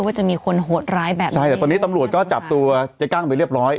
ว่าจะมีคนโหดร้ายแบบนี้ใช่แต่ตอนนี้ตำรวจก็จับตัวเจ๊กั้งไปเรียบร้อย